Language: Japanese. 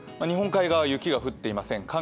日本海側、雪が降っていません。